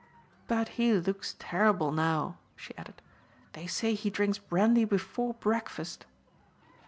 "But he looks terrible now," she added, "they say he drinks brandy before breakfast!"